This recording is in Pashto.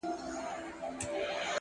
هره تېروتنه د پوهې بیه ده!